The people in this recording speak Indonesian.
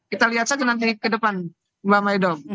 kita lihat saja nanti ke depan mbak maido